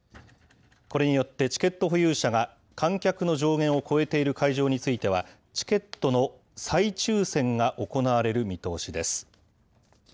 これによってチケット保有者が観客の上限を超えている会場については、チケットの再抽せんが行われる見通しです。